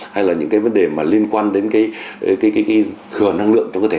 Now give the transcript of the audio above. hay là những cái vấn đề mà liên quan đến cái thừa năng lượng trong cơ thể